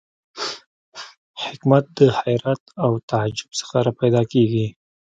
حکمت د حیرت او تعجب څخه را پیدا کېږي.